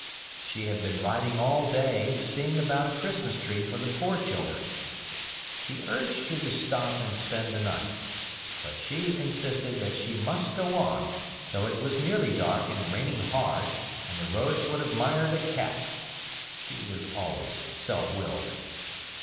She had been riding all day seeing about a Christmas tree for the poor children. He urged her to stop and spend the night, but she insisted that she must go on, though it was nearly dark and raining hard, and the roads would have mired a cat (she was always self willed).